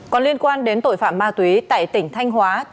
còn liên quan đến tội phạm ma túy tại tỉnh thanh hóa